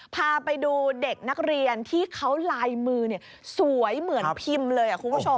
พาไปดูเด็กนักเรียนที่เขาลายมือสวยเหมือนพิมพ์เลยคุณผู้ชม